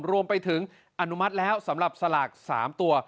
รวมไปถึงอนุมัติแล้วสำหรับสลาก๓ตัว